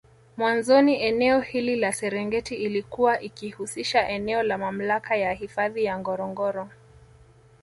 Mwanzoni eneo hili la Serengeti ilikuwa ikihusisha eneo la Mamlaka ya hifadhi ya Ngorongoro